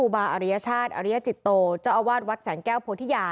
บริกา